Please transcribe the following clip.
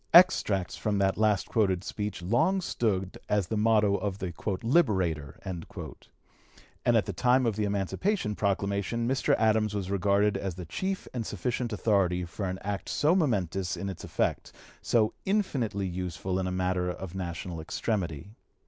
Extracts from the last quoted speech long stood as the motto of the "Liberator;" and at the time of the Emancipation Proclamation Mr. Adams was regarded as the chief and sufficient authority for an act so momentous in its effect, so infinitely useful in a matter of national extremity.